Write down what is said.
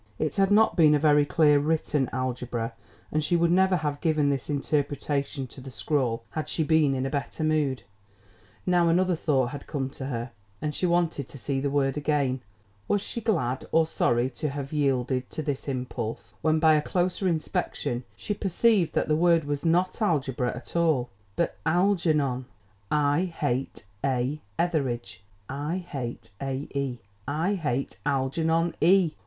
It had not been a very clearly written ALGEBRA, and she would never have given this interpretation to the scrawl, had she been in a better mood. Now another thought had come to her, and she wanted to see the word again. Was she glad or sorry to have yielded to this impulse, when by a closer inspection she perceived that the word was not ALGEBRA at all, but ALGERNON, I HATE A ETHERIDGE. I HATE A. E. I HATE ALGERNON E.